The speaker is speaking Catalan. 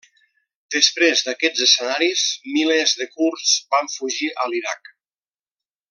Després d'aquests escenaris, milers de kurds van fugir a l'Iraq.